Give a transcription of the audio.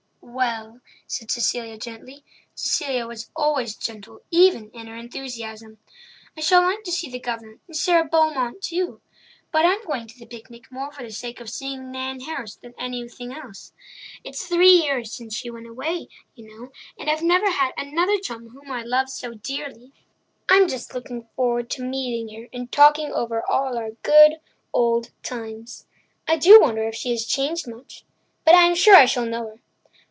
"Well," said Cecilia gently—Cecilia was always gentle even in her enthusiasm—"I shall like to see the Governor and Sara Beaumont too. But I'm going to the picnic more for the sake of seeing Nan Harris than anything else. It's three years since she went away, you know, and I've never had another chum whom I love so dearly. I'm just looking forward to meeting her and talking over all our dear, good old times. I do wonder if she has changed much. But I am sure I shall know her."